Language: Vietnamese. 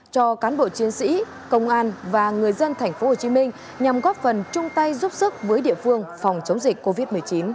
cho cán bộ chiến sĩ công an và người dân tp hcm nhằm góp phần chung tay giúp sức với địa phương phòng chống dịch covid một mươi chín